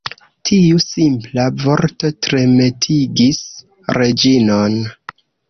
Tiu simpla vorto tremetigis Reĝinon.